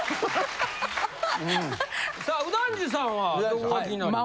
さあ右團次さんはどこが気になりますか？